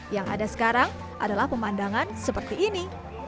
yang ada sekarang adalah pemandangan seperti ini